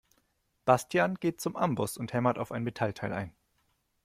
Bastian geht zum Amboss und hämmert auf ein Metallteil ein.